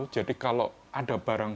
jadi kalau ada barang barang